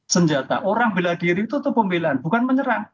senjata orang bela diri itu tuh pembelaan bukan menyerang